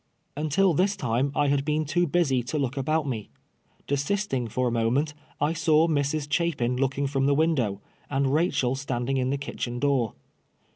Until this time I had been too busy to look about me. Desisting for a moment, I saw Mrs. Cliapin looking from the window, and Rachel standing in the kitchen door.